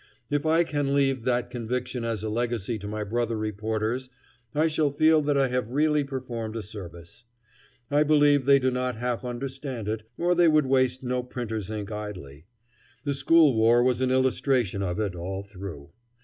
If I can leave that conviction as a legacy to my brother reporters, I shall feel that I have really performed a service. I believe they do not half understand it, or they would waste no printer's ink idly. The school war was an illustration of it, all through.